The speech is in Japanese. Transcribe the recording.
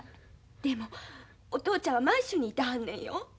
でもお父ちゃんは満州にいてはんねんよ？